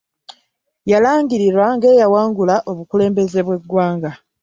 Yalangirirwa ng'eyawangula eky'obukulembeze bw'eggwanga.